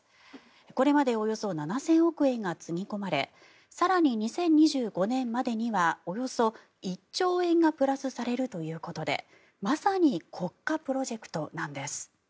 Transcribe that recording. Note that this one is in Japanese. これまでおよそ７０００億円がつぎ込まれ更に２０２５年までにはおよそ１兆円がプラスされるということでまさに国家プロジェクトなんです。